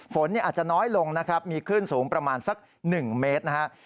ฝนอาจจะน้อยลงนะครับมีคลื่นสูงประมาณสัก๑เมตรนะครับ